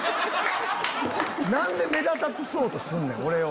何で目立たそうとすんねん俺を。